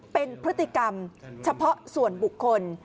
เป็นพฤติกรรมเฉพาะส่วนบุคคล